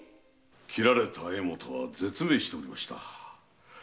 斬られた江本は絶命しておりました。